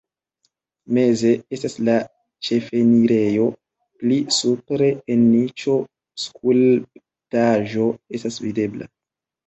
Meze estas la ĉefenirejo, pli supre en niĉo skulptaĵo estas videbla.